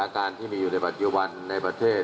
ครับ